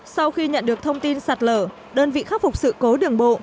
sau khi nhận được thông tin sạt lở đơn vị khắc phục sự cố đường bộ